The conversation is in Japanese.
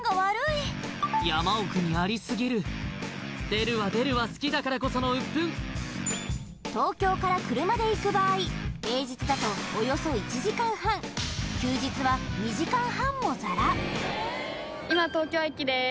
出るわ出るわ好きだからこそのウップン東京から車で行く場合平日だとおよそ１時間半休日は２時間半もザラ今東京駅です